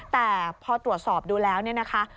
แต่พอตรวจสอบดูแล้วเนี่ยนะคะ